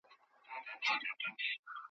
له ښکاري کوترو چا وکړل سوالونه `